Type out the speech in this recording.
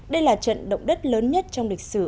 đây là trận động đất lớn nhất trong lịch sử